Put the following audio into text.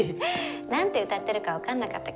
何て歌ってるか分かんなかったけど。